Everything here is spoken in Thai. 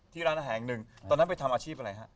ร้านอาหารแห่งหนึ่งตอนนั้นไปทำอาชีพอะไรฮะ